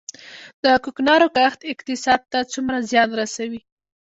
د کوکنارو کښت اقتصاد ته څومره زیان رسوي؟